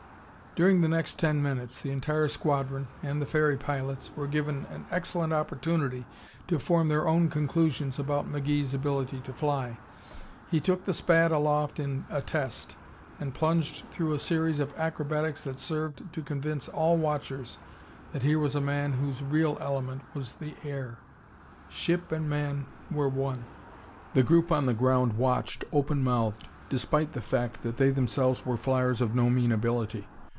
During the next ten minutes the entire squadron, and the ferry pilots, were given an excellent opportunity to form their own conclusions about McGee's ability to fly. He took the Spad aloft, in test, and plunged through a series of acrobatics that served to convince all watchers that here was a man whose real element was the air. Ship and man were one. The group on the ground watched, open mouthed, despite the fact that they themselves were flyers of no mean ability.